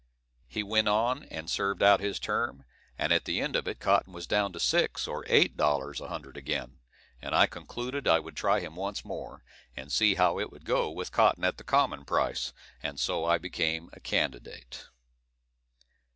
He went on, and served out his term, and at the end of it cotton was down to six or eight dollars a hundred again; and I concluded I would try him once more, and see how it would go with cotton at the common price, and so I became a candidate.